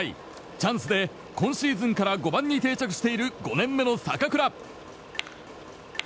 チャンスで今シーズンから５番に定着している５年目の坂倉。